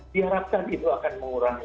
diharapkan itu akan mengurangi